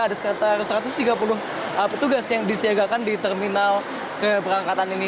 ada sekitar satu ratus tiga puluh petugas yang disiagakan di terminal keberangkatan ini